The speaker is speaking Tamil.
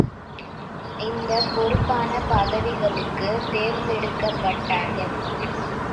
இந்தப் பொறுப்பான பதவிகளுக்குத் தேர்ந்தெடுக்கப்பட்டார்கள்.